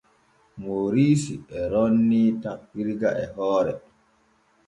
Mooriisi e roonii tappirga e hoore.